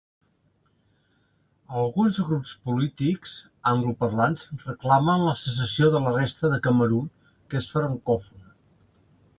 Alguns grups polítics angloparlants reclamen la secessió de la resta de Camerun, que és francòfona.